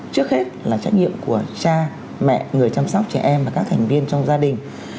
trước hết là trách nhiệm của cha mẹ người chăm sóc trẻ em và các thành viên trong gia đình